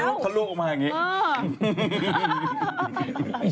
มันเป็นคิ้วทำลวงออกมาแบบนี้